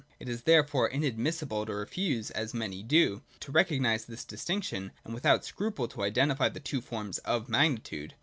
It is therefore inadmissible to refuse, as many do, to recognise this dis tinction, and without scruple to identify the two forms of magnitude.